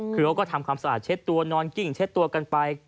คือเขาก็ทำความสะอาดเช็ดตัวนอนกิ้งเช็ดตัวกันไป